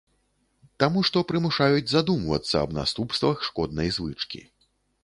Таму што прымушаюць задумвацца аб наступствах шкоднай звычкі.